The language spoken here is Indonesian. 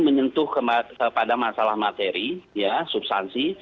menyentuh kepada masalah materi ya substansi